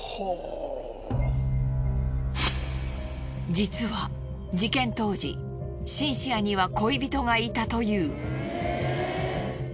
実は事件当時シンシアには恋人がいたという。